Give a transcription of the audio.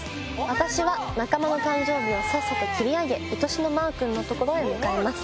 私は仲間の誕生日をさっさと切り上げいとしのマー君の所へ向かいます。